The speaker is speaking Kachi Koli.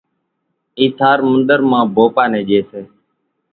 اِي ٿار منۮر مان ڀوپا نين ڄي سي